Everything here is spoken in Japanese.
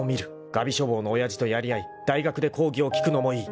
［蛾眉書房の親父とやり合い大学で講義を聴くのもいい］